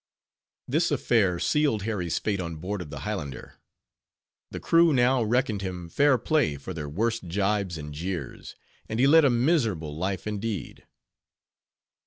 This affair sealed Harry's fate on board of the Highlander; the crew now reckoned him fair play for their worst jibes and jeers, and he led a miserable life indeed.